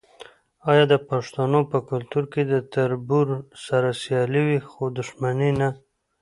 آیا د پښتنو په کلتور کې د تربور سره سیالي وي خو دښمني نه؟